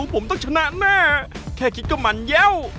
ผมต้องชนะแน่แค่คิดก็มันแย้ว